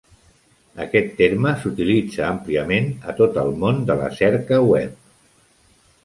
Aquest terme s'utilitza àmpliament a tot el món de la cerca web.